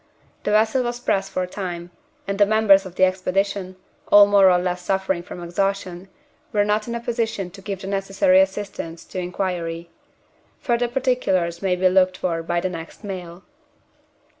The vessel was pressed for time; and the members of the Expedition, all more or less suffering from exhaustion, were not in a position to give the necessary assistance to inquiry. Further particulars may be looked for by the next mail."